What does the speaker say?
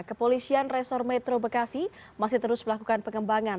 kepolisian resor metro bekasi masih terus melakukan pengembangan